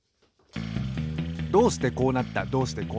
どうしてこうなった？